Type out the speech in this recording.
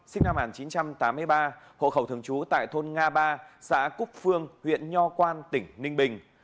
sinh năm một nghìn chín trăm tám mươi ba hộ khẩu thường trú tại thôn nga ba xã cúc phương huyện nho quan tỉnh ninh bình